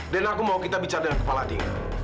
dan aku mau kita bicara dengan kepala tinggi